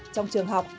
trong trường học